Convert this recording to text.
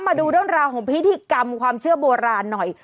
มาดูเรื่องราวของพิธีกรรมความเชื่อโบราณหน่อย